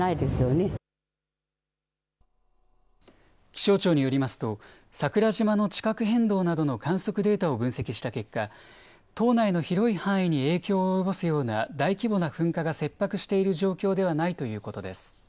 気象庁によりますと桜島の地殻変動などの観測データを分析した結果、島内の広い範囲に影響を及ぼすような大規模な噴火が切迫している状況ではないということです。